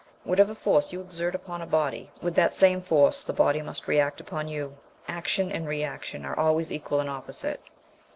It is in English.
Whatever force you exert upon a body, with that same force the body must react upon you. Action and reaction are always equal and opposite.